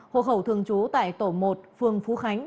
hộ khẩu thường trú tại tổ một phường phú khánh